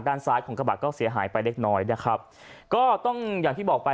ด้านซ้ายของกระบะก็เสียหายไปเล็กน้อยนะครับก็ต้องอย่างที่บอกไป